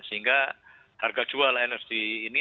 sehingga harga jual energi ini